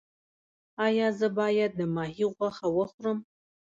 ایا زه باید د ماهي غوښه وخورم؟